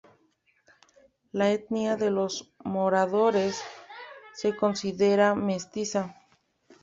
La etnia de los moradores se considera mestiza.